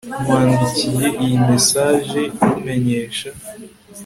nkwandikiye iyi message nkumenyesha